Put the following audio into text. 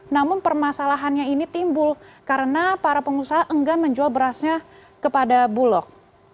namun permasalahannya ini timbul karena para pengusaha enggan menjual berasnya kepada bulog